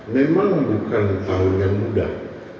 memang bukan hal yang mudah